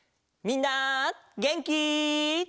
みんなげんき？